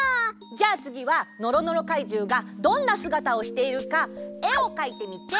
じゃあつぎはのろのろかいじゅうがどんなすがたをしているかえをかいてみて！